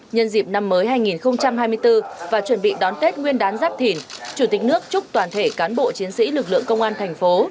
nhân dịp năm mới hai nghìn hai mươi bốn và chuẩn bị đón tết nguyên đán giáp thìn chủ tịch nước chúc toàn thể cán bộ chiến sĩ lực lượng công an thành phố